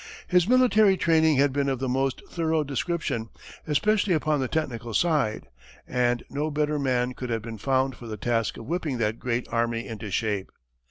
His military training had been of the most thorough description, especially upon the technical side, and no better man could have been found for the task of whipping that great army into shape.